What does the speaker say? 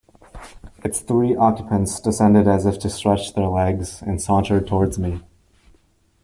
Its three occupants descended as if to stretch their legs, and sauntered towards me.